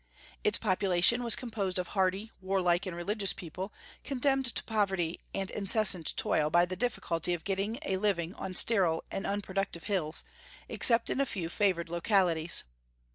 Its population was composed of hardy, warlike, and religious people, condemned to poverty and incessant toil by the difficulty of getting a living on sterile and unproductive hills, except in a few favored localities.